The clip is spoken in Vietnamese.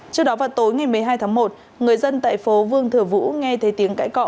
trước đó vào tối ngày một mươi hai tháng một người dân tại phố vương thừa vũ nghe thấy tiếng cãi cọ